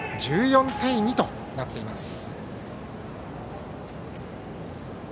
１４対２となっています。